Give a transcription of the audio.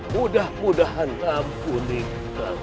mudah mudahan ampuning